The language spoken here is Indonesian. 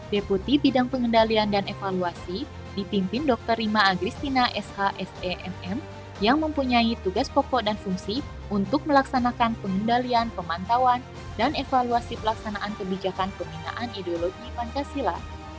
deputi bidang pengendalian dan evaluasi dipimpin dr rima agristina shsemm yang mempunyai tugas pokok dan fungsi untuk melaksanakan pengendalian pemantauan dan evaluasi pelaksanaan kebijakan pembinaan ideologi pancasila